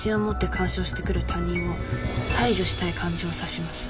干渉してくる他人を排除したい感情を指します。